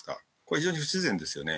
非常に不自然ですよね。